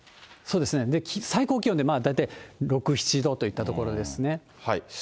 そうですね、最高気温で大体６、７度といったところですね。